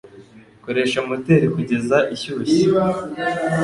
Koresha moteri kugeza ishyushye